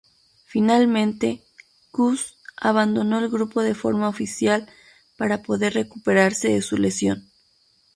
Finalmente, Kusch abandonó el grupo de forma oficial para poder recuperarse de su lesión.